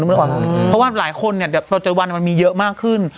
เพราะว่าหลายคนตัวจดวันนี้มันมีเยอะมากขึ้น